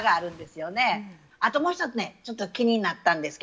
あともう一つねちょっと気になったんですけどね